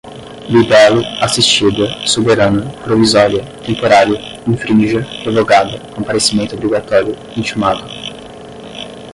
libelo, assistida, soberana, provisória, temporário, infrinja, revogada, comparecimento obrigatório, intimado